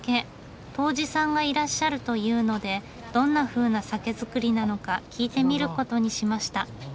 杜氏さんがいらっしゃるというのでどんなふうな酒造りなのか聞いてみることにしました。